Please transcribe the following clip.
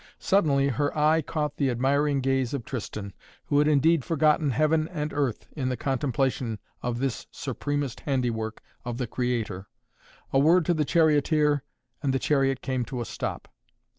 Suddenly her eye caught the admiring gaze of Tristan, who had indeed forgotten heaven and earth in the contemplation of this supremest handiwork of the Creator. A word to the charioteer and the chariot came to a stop.